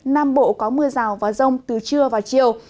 nam bộ có mưa rào và rông từ trưa và chiều